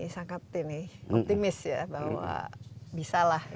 sangat ini optimis ya bahwa bisa lah